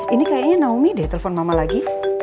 ini kayaknya naomi deh telepon mama lagi